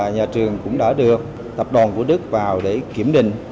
nhà trường cũng đã đưa tập đoàn của đức vào để kiểm định